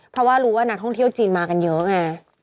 เพราะว่ารู้ว่านักท่องเที่ยวจีนมากันเยอะไง